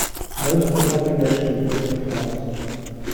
Most of the population is working class.